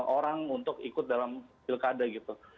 orang untuk ikut dalam pilkada gitu